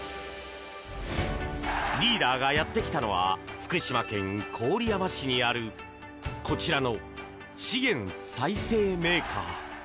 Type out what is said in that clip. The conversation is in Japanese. リーダーがやってきたのは福島県郡山市にあるこちらの資源再生メーカー。